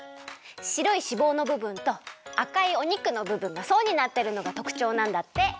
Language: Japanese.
しろいしぼうのぶぶんとあかいお肉のぶぶんがそうになってるのがとくちょうなんだって。